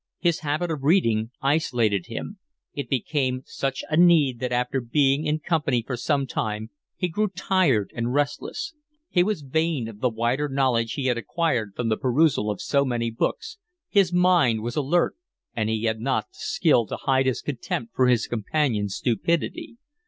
His habit of reading isolated him: it became such a need that after being in company for some time he grew tired and restless; he was vain of the wider knowledge he had acquired from the perusal of so many books, his mind was alert, and he had not the skill to hide his contempt for his companions' stupidity.